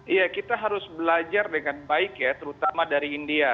iya kita harus belajar dengan baik ya terutama dari india